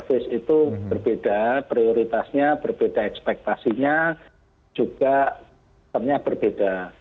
dan full service itu berbeda prioritasnya berbeda ekspektasinya juga ternyata berbeda